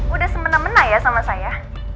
udah semena mena ya sama saya